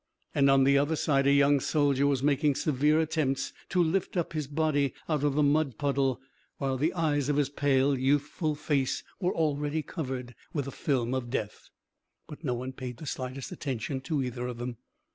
And on the other side a young soldier was making severe attempts to lift up his body out of the mud puddle, while the eyes of his pale youthful face were already covered with the film of death. But no one paid the slightest attention to either of them.